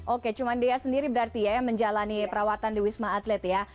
oke cuma dea sendiri berarti ya yang menjalani perawatan di wisma atlet ya